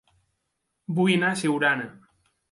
Vull anar a Siurana